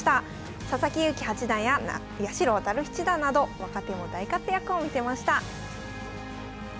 佐々木勇気八段や八代弥七段など若手も大活躍を見せました。